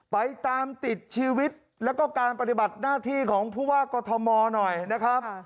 ไปตามติดชีวิตแล้วก็การปฏิบัติหน้าที่ของผู้ว่ากอทมหน่อยนะครับ